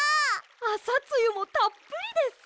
あさつゆもたっぷりです！